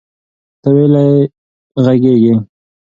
ته ویلې غږیږي؟